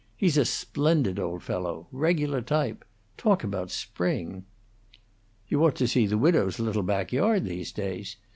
He's a splendid old fellow; regular type. Talk about spring! "You ought to see the widow's little back yard these days.